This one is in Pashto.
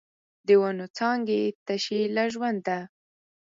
د ونو څانګې تشې له ژونده